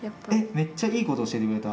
めっちゃいいこと教えてくれた。